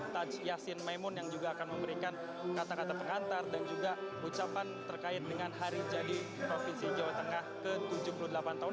taj yassin maimun yang juga akan memberikan kata kata pengantar dan juga ucapan terkait dengan hari jadi provinsi jawa tengah ke tujuh puluh delapan tahun